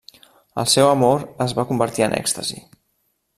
El seu amor es va convertir en èxtasi.